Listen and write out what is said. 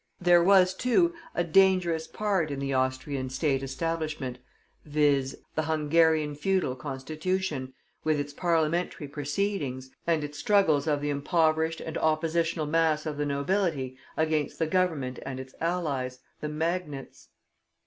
There was, too, a dangerous part in the Austrian State establishment, viz., the Hungarian feudal Constitution, with its parliamentary proceedings, and its struggles of the impoverished and oppositional mass of the nobility against the Government and its allies, the magnates.